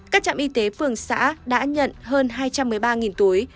các trạm y tế phường xã đã nhận hơn hai trăm một mươi ba túi